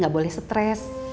gak boleh stress